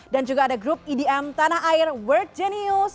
dan juga ada grup edm tanah air world genius